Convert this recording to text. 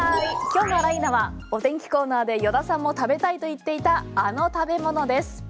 今日のあら、いーな！は天気コーナーで依田さんも食べたいと言っていたあの食べ物です。